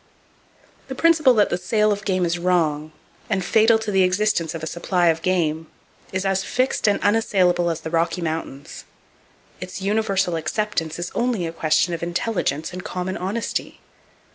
The principle that the sale of game is wrong, and fatal to the existence of a supply of game, is as fixed and unassailable as the Rocky Mountains. Its universal acceptance is only a question of intelligence and common honesty.